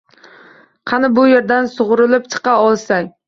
Qani, bu yerdan sugʻurilib chiqa olsang!